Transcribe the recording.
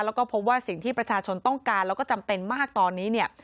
แล้วก็พบว่าสิ่งที่ประชาชนต้องการแล้วก็จำเป็นมากตอนนี้เนี่ย